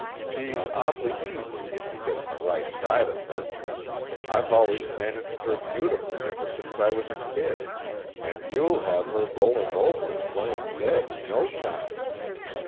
She's awfully easy if you get on the right side of her; I've always managed her beautifully ever since I was a kid, and you'll have her rolling over and playing dead in no time.